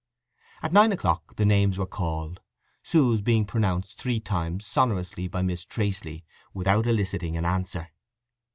At nine o'clock the names were called, Sue's being pronounced three times sonorously by Miss Traceley without eliciting an answer.